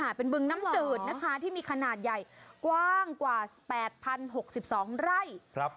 เป็นบึงน้ำจืดนะคะที่มีขนาดใหญ่กว้างกว่า๘๐๖๒ไร่